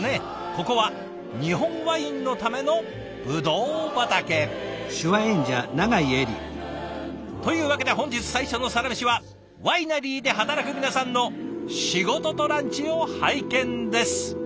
ここは日本ワインのためのブドウ畑。というわけで本日最初のサラメシはワイナリーで働く皆さんの仕事とランチを拝見です！